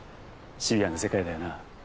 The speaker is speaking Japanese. シビアな世界だよな。